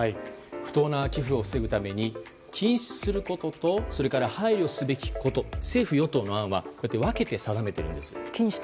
不当な寄付を防ぐために禁止することとそれから配慮すべきことを政府・与党の案は分けて定めているんです。